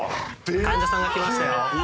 患者さんが来ましたよ。